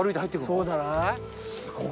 そうじゃない？